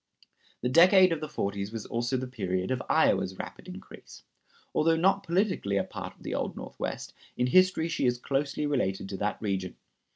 The decade of the forties was also the period of Iowa's rapid increase. Although not politically a part of the Old Northwest, in history she is closely related to that region.